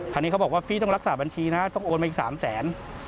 นี้เขาบอกว่าพี่ต้องรักษาบัญชีนะต้องโอนมาอีก๓แสน